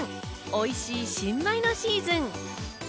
おいしい新米のシーズン。